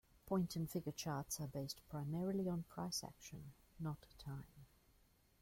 Point and Figure charts are based primarily on price action, not time.